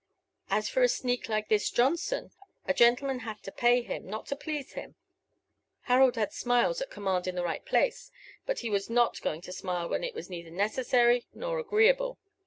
As for a sneak like this Johnson, a gentleman had to pay him, not to please him. Harold had smiles at command in the right place, but he was not going to smile when it was neither necessary nor agreeable.